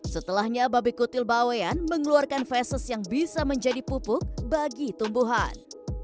setelahnya babi kutil bawean mengeluarkan fesis yang bisa menjadi pupuk bagi tumbuhan